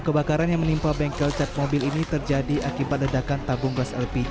kebakaran yang menimpa bengkel cat mobil ini terjadi akibat ledakan tabung gas lpg